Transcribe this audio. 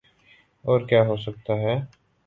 اورکیا ہوسکتاہے؟